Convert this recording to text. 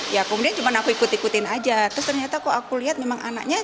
ya kemudian cuma aku ikut ikutin aja terus ternyata kok aku lihat memang anaknya